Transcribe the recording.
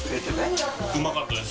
うまかったです